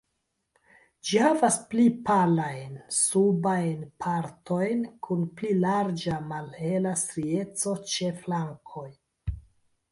Ĝi havas pli palajn subajn partojn kun pli larĝa, malhela strieco ĉe flankoj.